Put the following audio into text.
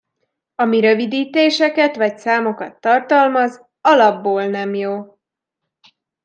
Ami rövidítéseket, vagy számokat tartalmaz, alapból nem jó.